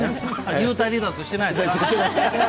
幽体離脱してないですね。